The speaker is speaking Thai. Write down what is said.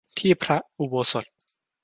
ที่พระอุโบสถ